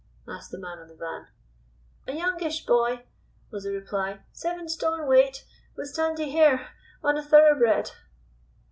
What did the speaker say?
asked the man on the van. "A youngish boy," was the reply, "seven stone weight, with sandy hair, on a thoroughbred."